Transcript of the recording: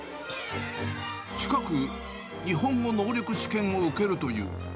近く日本語能力試験を受けるという。